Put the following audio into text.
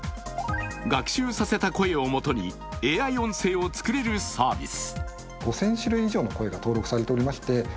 学習させた声をもとにＡＩ音声を作れるサービス。